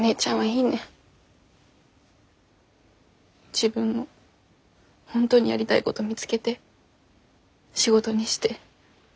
自分の本当にやりたいごど見つけて仕事にして。